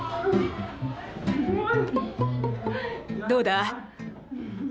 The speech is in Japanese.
どうだ？